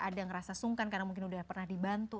ada yang merasa sungkan karena mungkin sudah pernah dibantu